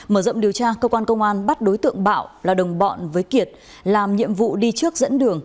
mở rộng điều tra cơ quan công an bắt đối tượng bảo là đồng bọn với kiệt làm nhiệm vụ đi trước dẫn đường